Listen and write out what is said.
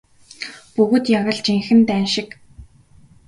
Бүгд яг л жинхэнэ дайн шиг.